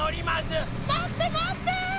まってまって！